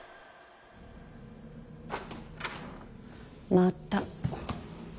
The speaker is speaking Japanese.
また。